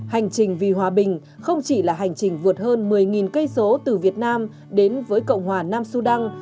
hành trình vì hòa bình không chỉ là hành trình vượt hơn một mươi cây số từ việt nam đến với cộng hòa nam sudan